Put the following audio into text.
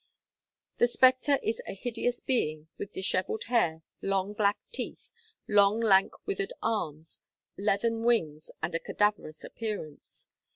The spectre is a hideous being with dishevelled hair, long black teeth, long, lank, withered arms, leathern wings, and a cadaverous appearance.